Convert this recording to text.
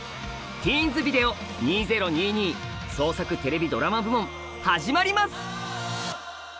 ティーンズビデオ２０２２創作テレビドラマ部門始まります！